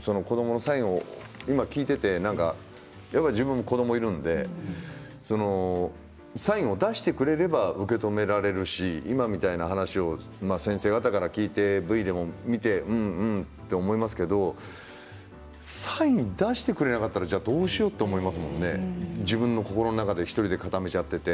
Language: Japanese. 子どものサインを今、聞いていて自分も子どもがいるのでサインを出してくれれば受け止められるし今みたいな話を先生方から聞いてＶＴＲを見て、うんうんと思いますけれどサインを出してくれなかったらどうしようと思いますよね自分の心の中で１人で固めちゃって。